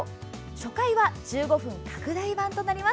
初回は１５分拡大版となります。